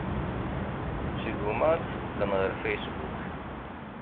Tesguma ad teqqen ɣer Facebook.